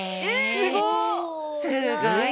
すごいね！